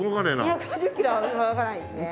２５０キロは動かないですね